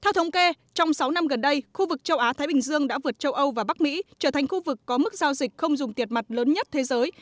theo thống kê trong sáu năm gần đây khu vực châu á thái bình dương đã vượt châu âu và bắc mỹ trở thành khu vực có mức giao dịch không dùng tiền mặt lớn nhất thế giới